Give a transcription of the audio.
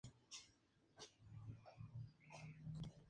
Era natural de las tierras de Burgos.